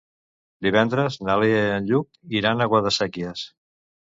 Divendres na Lea i en Lluc iran a Guadasséquies.